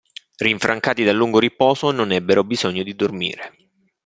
Rinfrancati dal lungo riposo, non ebbero bisogno di dormire.